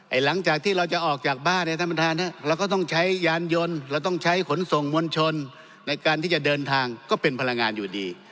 หลังจากที่เราจะออกจากบ้านเนี่ยท่านประธานเราก็ต้องใช้ยานยนต์เราต้องใช้ขนส่งมวลชนในการที่จะเดินทางก็เป็นพลังงานอยู่ดี